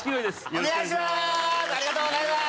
お願いしまーす！